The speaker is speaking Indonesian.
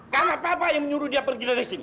karena papa yang menyuruh dia pergi dari sini